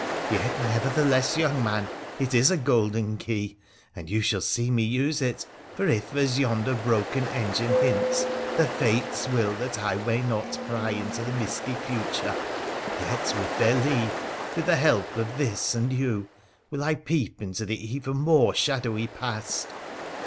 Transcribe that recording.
' Yet, nevertheless, young man, it is a golden key, and you shall see me use it, for if, as yonder broken engine hints, the Fates will that I may not pry into the misty future, yet with their leave, with the help of this and you, will I peep into the even more shadowy past.